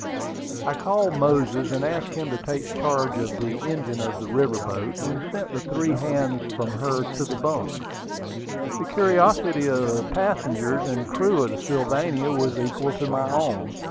I called Moses, and asked him to take charge of the engine of the river boat, and sent the three hands from her to their bunks. The curiosity of the passengers and crew of the Sylvania was equal to my own.